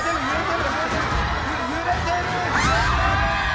揺れてる。